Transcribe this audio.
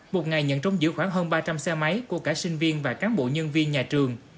một ngày nhận trông giữ khoảng hơn ba trăm linh xe máy của cả sinh viên và cán bộ nhân viên nhà trường